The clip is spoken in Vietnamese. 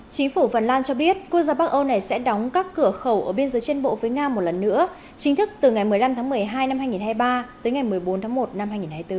chính phủ phần lan cho biết quốc gia bắc âu này sẽ đóng các cửa khẩu ở biên giới trên bộ với nga một lần nữa chính thức từ ngày một mươi năm tháng một mươi hai năm hai nghìn hai mươi ba tới ngày một mươi bốn tháng một năm hai nghìn hai mươi bốn